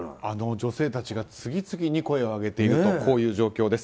女性たちが次々に声を上げているとこういう状況です。